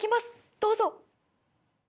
どうぞ。